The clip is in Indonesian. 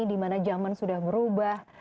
dimana zaman sudah berubah